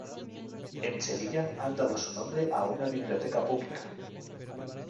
En Sevilla han dado su nombre a una biblioteca pública.